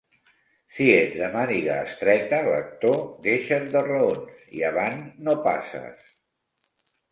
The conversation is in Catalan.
Si ets de màniga estreta, lector, deixa't de raons, i avant no passes!